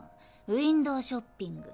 ウインドーショッピング。